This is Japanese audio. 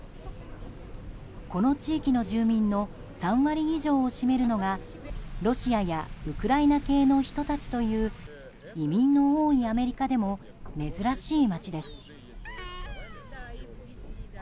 この地域の住民の３割以上を占めるのがロシアやウクライナ系の人たちという移民の多いアメリカでも珍しい町です。